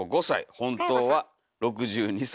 本当は６２歳。